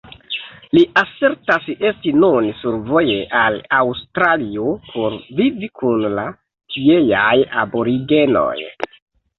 Li asertas esti nun survoje al Aŭstralio por vivi kun la tieaj aborigenoj.